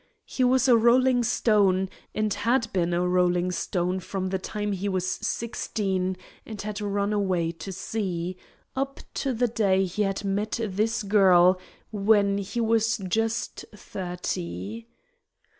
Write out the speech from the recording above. He was a rolling stone, and had been a rolling stone from the time he was sixteen and had run away to sea, up to the day he had met this girl, when he was just thirty.